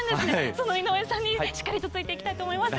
その井上さんにしっかりと付いていきたいと思います。